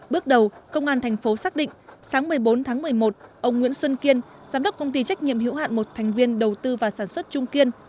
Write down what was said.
bước đầu công an thành phố xác định sáng một mươi bốn tháng một mươi một ông nguyễn xuân kiên giám đốc công ty trách nhiệm hữu hạn một thành viên đầu tư và sản xuất trung kiên